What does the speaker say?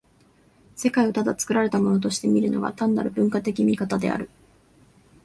世界をただ作られたものとして見るのが、単なる文化的見方である。